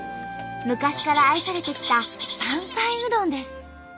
昔から愛されてきた山菜うどんです。